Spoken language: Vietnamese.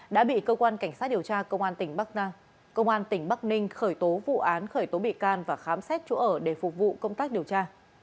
đã bị cơ quan cảnh sát điều tra công an tỉnh bắc ninh khởi tố vụ án khởi tố bị can và khám xét chỗ ở để phục vụ công tác điều tra